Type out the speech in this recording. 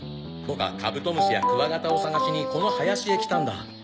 ボクはカブトムシやクワガタを探しにこの林へ来たんだ。